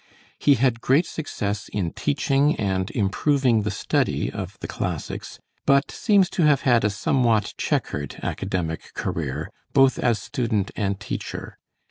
He had great success in teaching and improving the study of the classics; but seems to have had a somewhat checkered academic career, both as student and teacher.